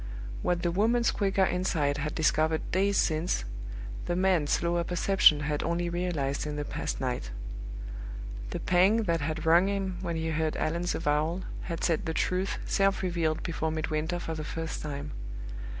What the woman's quicker insight had discovered days since, the man's slower perception had only realized in the past night. The pang that had wrung him when he heard Allan's avowal had set the truth self revealed before Midwinter for the first time.